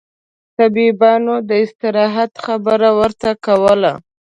طبيبانو داستراحت خبره ورته کوله.